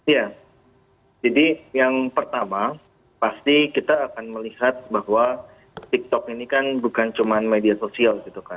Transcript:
ya jadi yang pertama pasti kita akan melihat bahwa tiktok ini kan bukan cuma media sosial gitu kan